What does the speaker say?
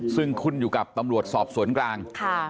ซึ่งคุณอยู่กับตำรวจสอบสวนกลาง